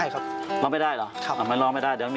ก้าวเดิม